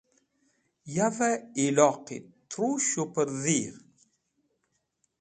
Yavẽ iyloqi tru shupr dhir.